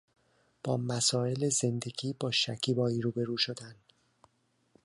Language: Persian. با مسایل زندگی با شکیبایی روبرو شدن